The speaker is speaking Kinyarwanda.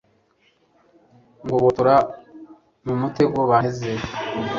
ngobotora mu mutego banteze